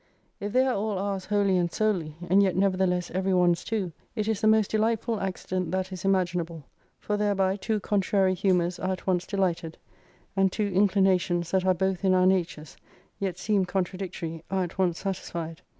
If they are all ours wholly and solely, and yet nevertheless every one's too, it is the most delight ful accident that is imaginable, for thereby two contrary humours are at once dehghted, and two inclinations, that are both in our natures, yet seem contradictory, are at once satisfied.